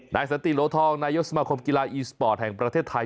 สันติโหลทองนายกสมาคมกีฬาอีสปอร์ตแห่งประเทศไทย